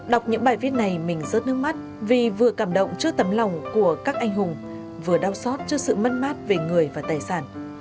đọc những bài viết này mình rớt nước mắt vì vừa cảm động trước tấm lòng của các anh hùng vừa đau xót trước sự mất mát về người và tài sản